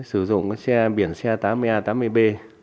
sử dụng xe biển xe tám mươi a tám mươi b